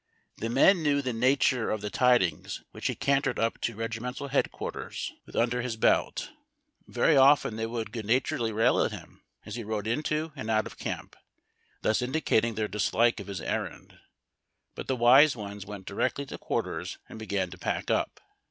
The men knew the nature of the tidings which he cantered up to regimental headquarters v/ith under 532 HARD TACK AND COFFEE. liis belt. Very often they would good naturedly rail at hira as he rode into and out of camp, thus indicating their dislike of his errand; but the wise ones went directly to quarters and began to pack up.